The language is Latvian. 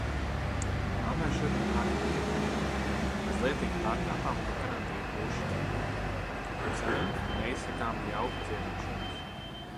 Mammai šodien vārda diena. Mazlietiņ pārkāpjam to karantīnas būšanu, un sanāk neizsakāmi jauka ciemošanās.